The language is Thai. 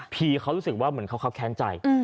เขารู้สึกว่าเหมือนเขาแค้นใจ